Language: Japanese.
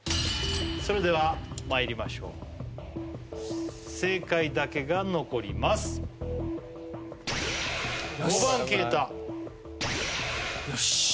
それではまいりましょう正解だけが残りますよし！